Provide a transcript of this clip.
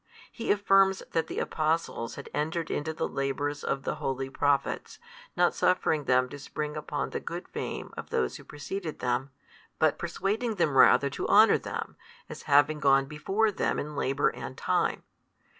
He affirms that the Apostles had entered into the labours of the holy Prophets, not suffering them to spring upon the good fame of those who proceded them, but persuading them rather to honour them, |230 as having gone before them in labour and time.